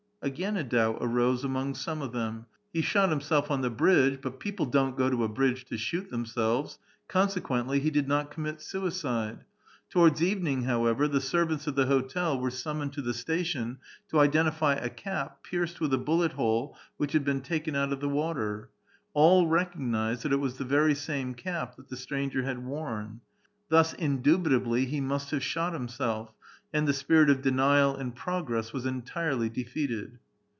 Again a doubt .arose among some of them. He shot him self on the bridge, but people don't go to a bridge to shoot themselves ; consequently, he did not commit suicide. Towards evening, however, the servants of the hotel were summoned to the station to identify a cap, pierced with a bullet hole, which had been taken out of the water ; aU reCr ognized that it was the verj same cap that the stranger had worn. Thus indubitably he must have shot himself, and the/ spirit of denial and progress was entirely defeated.